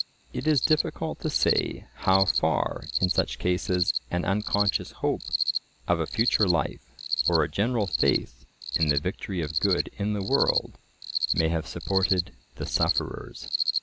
It is difficult to say how far in such cases an unconscious hope of a future life, or a general faith in the victory of good in the world, may have supported the sufferers.